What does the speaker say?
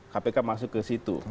kpk masuk ke situ